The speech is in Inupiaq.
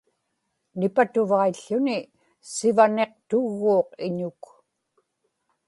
nipatuvaiḷḷuni sivaniqtugguuq iñuk